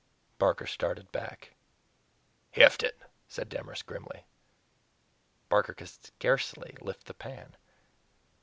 Barker started back. "Heft it!" said Demorest grimly. Barker could scarcely lift the pan!